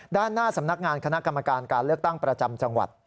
ด้านหน้าสำนักงานคณะกรรมการการเลือกตั้งประจำจังหวัด